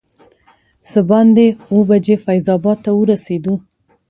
څه باندې اووه بجې فیض اباد ته ورسېدو.